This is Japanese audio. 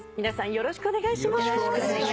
よろしくお願いします。